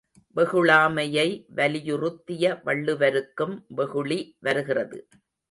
வெகுளாமையை வலியுறுத்திய வள்ளுவருக்கும் வெகுளி வருகிறது.